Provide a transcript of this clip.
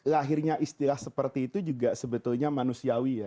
lahirnya istilah seperti itu juga sebetulnya manusiawi ya